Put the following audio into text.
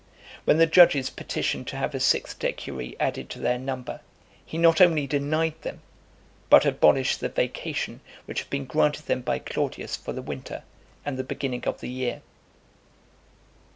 When the judges petitioned to have a sixth decury added to their number, he not only denied them, but abolished the vacation which had been granted them by Claudius for the winter, and the beginning of the year.